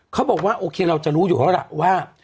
เขาบอกว่าโอเคเราจะรู้อยู่แล้วล่ะว่า